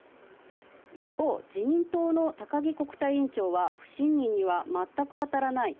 一方、自民党の高木国対委員長は、不信任には全く当たらない。